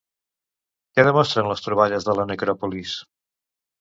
Què demostren les troballes de la necròpolis?